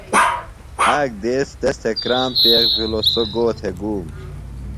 آک دیس تس تھےۡ کرام پیخ بِھلو سوۡ گو تھےۡ گُوم۔